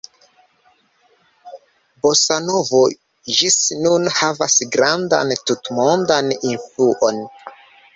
Bosanovo ĝis nun havas grandan tutmondan influon.